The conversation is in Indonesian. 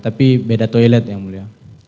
tapi beda toilet yang mulia